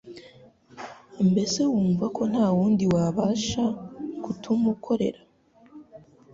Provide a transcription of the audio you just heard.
mbese wumva ko nta wundi wabasha kutumukorera